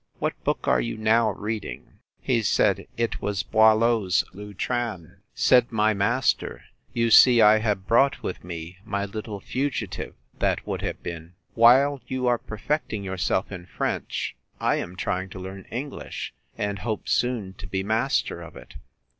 What book are you now reading? He said, it was Boileau's Lutrin. Said my master, You see I have brought with me my little fugitive, that would have been: While you are perfecting yourself in French, I am trying to learn English; and hope soon to be master of it.